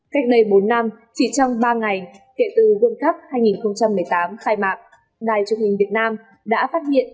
cách đây bốn năm chỉ trong ba ngày kể từ quân cấp hai nghìn một mươi tám khai mạng đài truyền hình việt nam đã phát hiện